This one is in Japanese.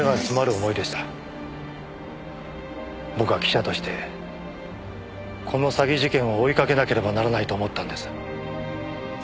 僕は記者としてこの詐欺事件を追いかけなければならないと思ったんです。